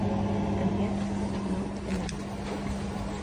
And yet it was not enough.